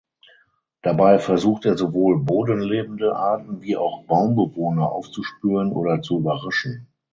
Dabei versucht er sowohl bodenlebende Arten wie auch Baumbewohner aufzuspüren oder zu überraschen.